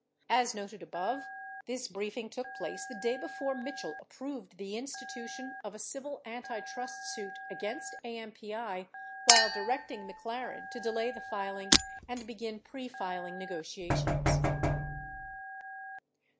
As noted above, this briefing took place the day before Mitchell ap proved the institution of a civil antitrust suit against AMPI while directing McLaren to delay the filing and begin prefiling negotia tions.